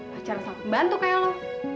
pacar sama pembantu kayak lo